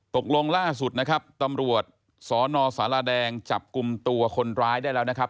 ตกลงล่าสุดนะครับตำรวจสนสารแดงจับกลุ่มตัวคนร้ายได้แล้วนะครับ